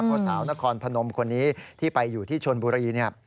เพราะสาวนครพนมคนนี้ที่ไปอยู่ที่ชนบุรีเนี่ย